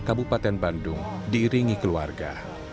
kabupaten bandung di ringi keluarga